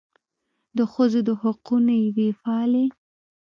د ښځو د حقونو یوې فعالې